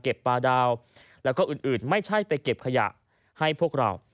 ปลาดาวแล้วก็อื่นไม่ใช่ไปเก็บขยะให้พวกเรา